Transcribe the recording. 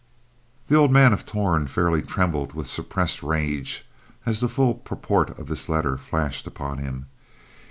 The old man of Torn fairly trembled with suppressed rage as the full purport of this letter flashed upon him.